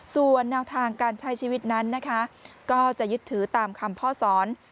ส่วนแนวทางการใช้ชีวิตนั้นนะคะก็จะยึดถือตามคำพ่อสอน